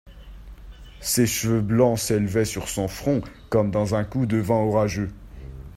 Ses cheveux blancs s’élevaient sur son front comme dans un coup de vent orageux.